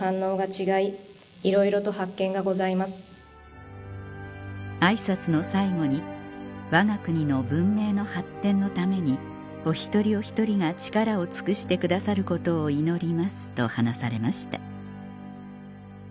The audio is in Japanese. あいさつの最後に「わが国の文明の発展のためにお一人お一人が力を尽くしてくださることを祈ります」と話されました